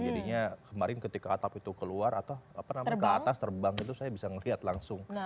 jadinya kemarin ketika atap itu keluar atau ke atas terbang itu saya bisa melihat langsung